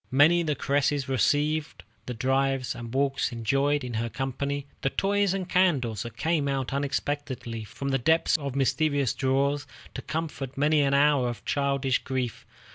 Many the caress received, the drives and walks enjoyed in her company, the toys and candies that came out unexpectedly from the depths of mysterious drawers, to comfort many an hour of childish grief.